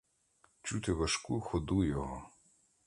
Чути важку ходу його.